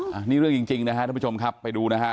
อันนี้เรื่องจริงนะฮะท่านผู้ชมครับไปดูนะฮะ